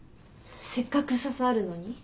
せっかく笹あるのに？